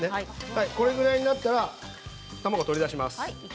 このぐらいになったら卵を取り出します。